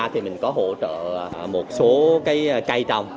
thì mình có hỗ trợ một số cây trồng